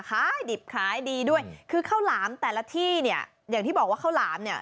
ขายดิบขายดีด้วยคือข้าวหลามแต่ละที่เนี่ยอย่างที่บอกว่าข้าวหลามเนี่ย